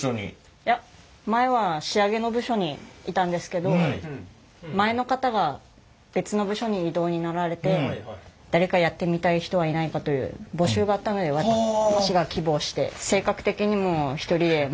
いや前は仕上げの部署にいたんですけど前の方が別の部署に異動になられて誰かやってみたい人はいないかという募集があったので私が希望して。